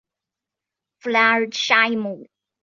弗拉尔夏伊姆是德国图林根州的一个市镇。